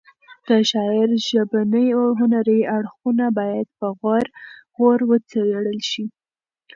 د شاعر ژبني او هنري اړخونه باید په غور وڅېړل شي.